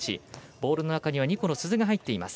ボールの中には２個の鈴が入っています。